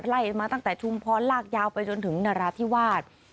ไล่มาตั้งแต่ชุมพรลากยาวไปจนถึงนราธิวาส